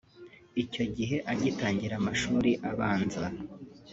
Icyo gihe agitangira amashuri abanza